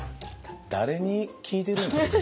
誰に聞いてるんですか？